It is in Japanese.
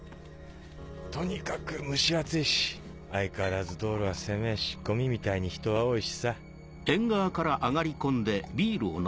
とにかく蒸し暑いし相変わらず道路は狭ぇしゴミみたいに人は多いしさ。